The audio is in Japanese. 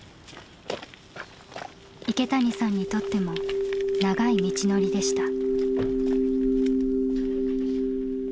池谷さんにとっても長い道のりでした。